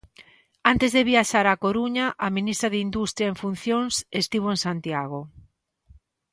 Antes de viaxar á Coruña, a ministra de Industria en funcións estivo en Santiago.